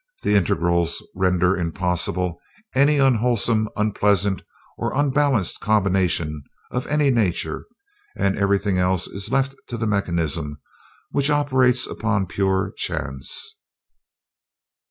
The integrals render impossible any unwholesome, unpleasant, or unbalanced combination of any nature, and everything else is left to the mechanism, which operates upon pure chance."